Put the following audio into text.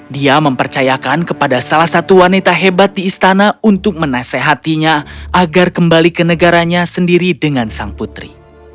dia mempercayakan kepada salah satu wanita hebat di istana untuk menasehatinya agar kembali ke negaranya sendiri dengan sang putri